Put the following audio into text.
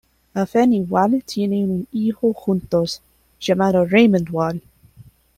Alphen y Wahl tienen un hijo juntos, llamado Raymond Wahl.